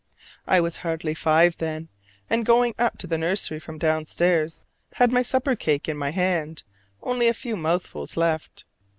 I was hardly five then, and going up to the nursery from downstairs had my supper cake in my hand, only a few mouthfuls left.